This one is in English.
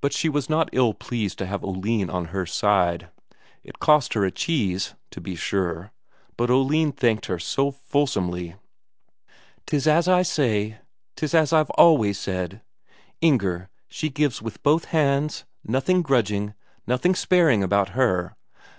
But she was not ill pleased to have Oline on her side; it cost her a cheese, to be sure, but Oline thanked her so fulsomely: "'Tis as I say, 'tis as I've always said: Inger, she gives with both hands; nothing grudging, nothing sparing about her!